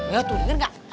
ya tuh denger gak